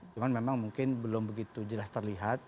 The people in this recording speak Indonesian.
cuma memang mungkin belum begitu jelas terlihat